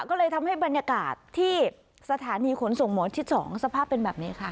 ก็เลยทำให้บรรยากาศที่สถานีขนส่งหมอชิด๒สภาพเป็นแบบนี้ค่ะ